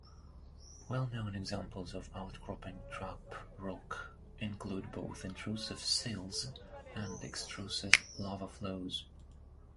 Well-known examples of outcropping trap rock include both intrusive sills and extrusive lava flows.